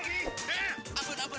eh pak demang